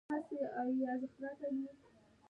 پاک ژوند کې خوشاله یم